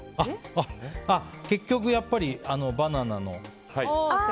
あっ、結局やっぱりバナナの。